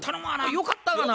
よかったがな。